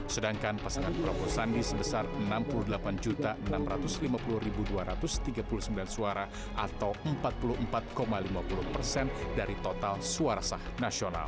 sedangkan pasangan prabowo sandi sebesar enam puluh delapan enam ratus lima puluh dua ratus tiga puluh sembilan suara atau empat puluh empat lima puluh persen dari total suara sah nasional